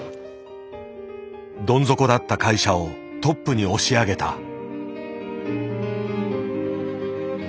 どん底だった会社をトップに押し上げた。